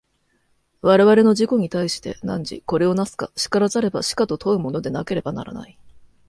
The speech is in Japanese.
我々の自己に対して、汝これを為すか然らざれば死かと問うものでなければならない。